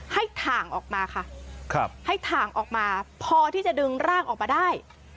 ถ่างออกมาค่ะให้ถ่างออกมาพอที่จะดึงร่างออกมาได้